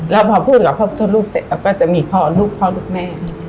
แล้วพอพูดกับพ่อพูดลูกเสร็จเราก็จะมีพ่อลูกพ่อลูกแม่